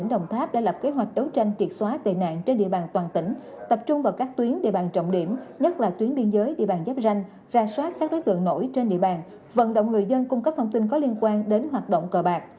đồng tháp đã lập kế hoạch đấu tranh triệt xóa tệ nạn trên địa bàn toàn tỉnh tập trung vào các tuyến địa bàn trọng điểm nhất là tuyến biên giới địa bàn giáp ranh ra soát các đối tượng nổi trên địa bàn vận động người dân cung cấp thông tin có liên quan đến hoạt động cờ bạc